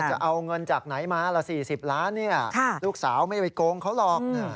จะเอาเงินจากไหนมาละ๔๐ล้านลูกสาวไม่ได้ไปโกงเขาหรอก